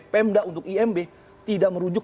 pemda untuk imb tidak merujuk